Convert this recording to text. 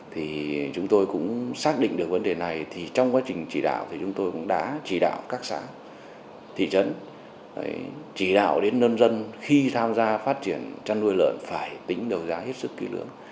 thì chúng tôi cũng xác định được vấn đề này thì trong quá trình chỉ đạo thì chúng tôi cũng đã chỉ đạo các xã thị trấn chỉ đạo đến nông dân khi tham gia phát triển chăn nuôi lợn phải tính đầu giá hết sức kỹ lưỡng